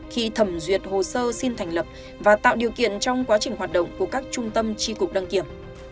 khi thẩm duyệt hồ sơ xin thành lập và tạo điều kiện trong quá trình hoạt động của các trung tâm tri cục đăng kiểm